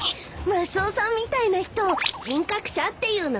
マスオさんみたいな人を人格者っていうのね。